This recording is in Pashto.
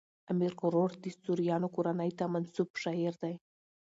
امیر کروړ د سوریانو کورنۍ ته منسوب شاعر دﺉ.